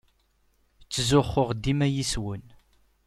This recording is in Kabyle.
Ttzuxxuɣ dima yes-wen.